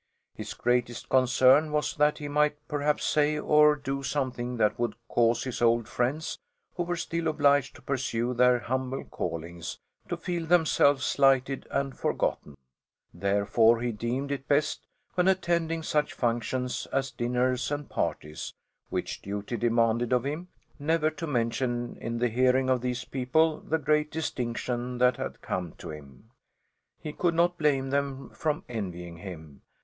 His greatest concern was that he might perhaps say or do something that would cause his old friends, who were still obliged to pursue their humble callings, to feel themselves slighted and forgotten. Therefore he deemed it best when attending such functions as dinners and parties which duty demanded of him never to mention in the hearing of these people the great distinction that had come to him. He could not blame them for envying him.